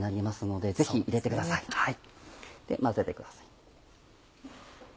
で混ぜてください。